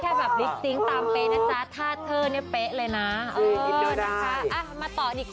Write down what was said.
เพราะฉันจะชาบเธอชาบเธอ